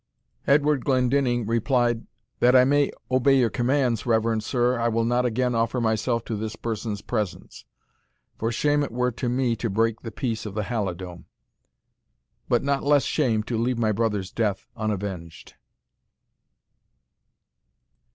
Edward Glendinning replied, "That I may obey your commands, reverend sir, I will not again offer myself to this person's presence; for shame it were to me to break the peace of the Halidome, but not less shame to leave my brother's death unavenged."